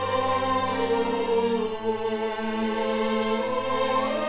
tak ada apa apa besar